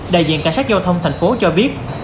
đại diện cảnh sát giao thông tp hcm cho biết